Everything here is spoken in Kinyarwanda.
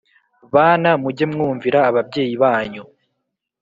Bana mujye mwumvira ababyeyi banyu